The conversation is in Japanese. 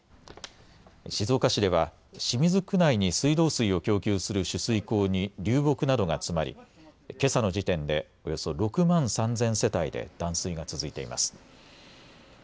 静岡市では清水区内に水道水を供給する取水口に流木などが詰まり、けさの時点でおよそ６万３０００世帯で断水が続いています。